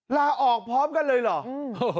ลาออกพร้อมกันเลยเหรอ